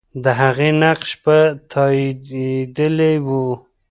د هغې نقش به تاییدېدلی وو.